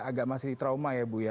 agak masih trauma ya bu ya